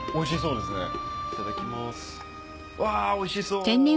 うわおいしそう！